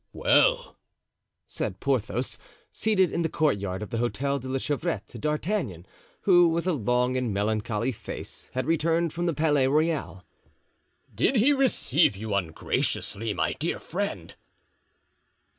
Well," said Porthos, seated in the courtyard of the Hotel de la Chevrette, to D'Artagnan, who, with a long and melancholy face, had returned from the Palais Royal; "did he receive you ungraciously, my dear friend?"